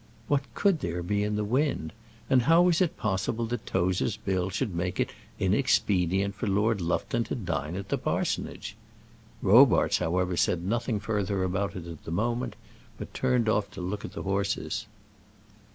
What could there be in the wind; and how was it possible that Tozer's bill should make it inexpedient for Lord Lufton to dine at the parsonage? Robarts, however, said nothing further about it at the moment, but turned off to look at the horses.